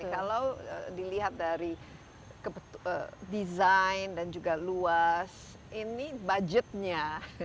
kalau dilihat dari desain dan juga luas ini budgetnya